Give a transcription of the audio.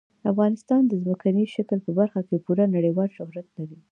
افغانستان د ځمکني شکل په برخه کې پوره نړیوال شهرت لري.